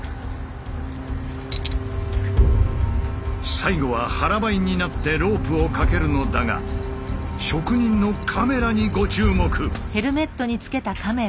最後は腹ばいになってロープをかけるのだが職人のカメラにご注目！